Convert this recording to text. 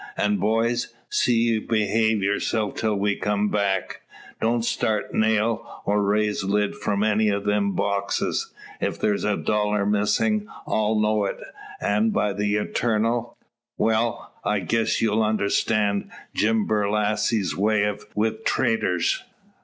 An' boys! see ye behave yourselves till we come back. Don't start nail, or raise lid, from any o' them boxes. If there's a dollar missin', I'll know it; an' by the Eternal well, I guess, you understan' Jim Borlasse's way wi' treeturs."